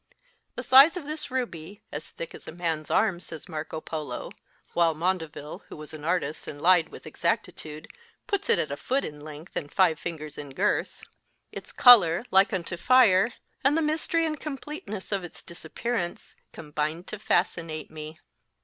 The size of this ruby (as thick as a man s arm, says Marco Polo, while Maundevile, who was an artist, and lied with exactitude, puts it at a foot in length and five fingers in girth), its colour, * like unto fire, and the mystery and completeness of its disappearance, combined to fascinate y 273 me.